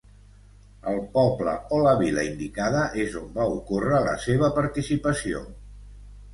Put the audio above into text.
El poble o la vila indicada és on va ocórrer la seva participació.